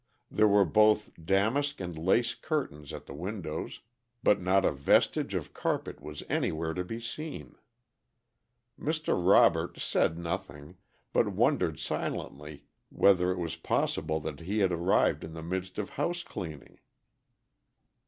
There were both damask and lace curtains at the windows, but not a vestige of carpet was anywhere to be seen. Mr. Robert said nothing, but wondered silently whether it was possible that he had arrived in the midst of house cleaning.